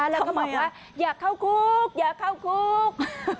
แล้วก็บอกว่าอยากเข้าคุกอย่าเข้าคุก